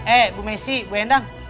eh bu messi bu endang